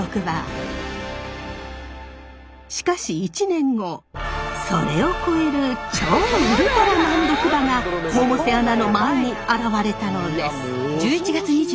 しかし１年後それを超える超ウルトラ難読馬が百瀬アナの前に現れたのです。